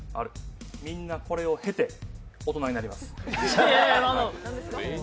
みんな、これを経て、大人になります。